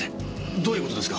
どういう事ですか？